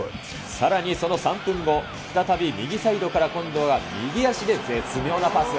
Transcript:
さらにその３分後、再び右サイドから今度は右足で絶妙なパス。